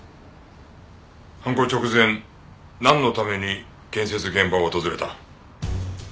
犯行直前なんのために建設現場を訪れた？